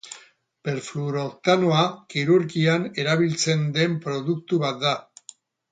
Perfluoroktanoa kirurgian erabiltzen den produktu bat da.